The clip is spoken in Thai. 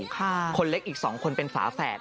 ถ้าคนเล็กอีก๒เป็นฝาแฝด